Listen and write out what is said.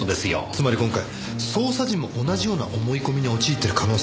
つまり今回捜査陣も同じような思い込みに陥ってる可能性があると。